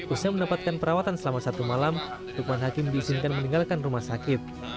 usia mendapatkan perawatan selama satu malam lukman hakim diizinkan meninggalkan rumah sakit